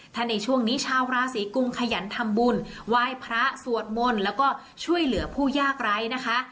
ถ้าในช่วงนี้ชาวราศีกุมขยันทำบุญไหว้พระสวดมนต์แล้วก็ช่วยเหลือผู้ยากไร้นะคะ